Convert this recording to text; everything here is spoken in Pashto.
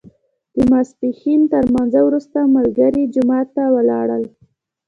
د ماسپښین تر لمانځه وروسته ملګري جومات ته ولاړل.